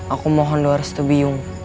aku mohon lu harus tuh byung